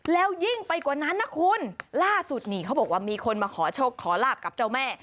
แล้วยิ่งไปกว่านั้นนะคุณล่าสุดนี่เขาบอกว่ามีคนมาขอโชคขอลาบกับเจ้าแม่